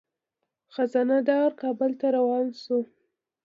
خزانه دار کابل ته روان شو.